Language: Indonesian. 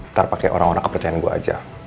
ntar pakai orang orang kepercayaan gue aja